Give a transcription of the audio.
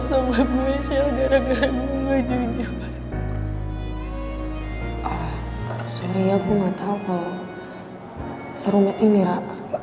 seria gue gak tau kalau seru kayak gini ra